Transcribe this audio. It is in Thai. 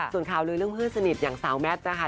ส่วนข่าวลือเรื่องเพื่อนสนิทอย่างสาวแมทนะคะ